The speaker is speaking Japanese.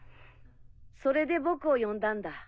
それで僕を呼んだんだ。